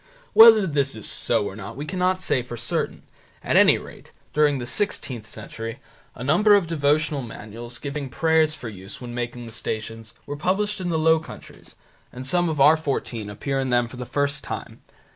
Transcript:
Whether this is so or not we cannot say for certain. At any rate, during the sixteenth century, a number of devotional manuals, giving prayers for use when making the Stations, were published in the Low Countries, and some of our fourteen appear in them for the first time.